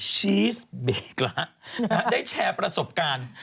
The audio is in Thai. ชีสเบกละได้แชร์ประสบการณ์